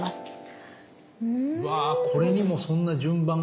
うわこれにもそんな順番が。